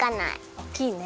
おっきいね。